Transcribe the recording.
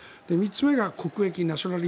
３つ目が国益。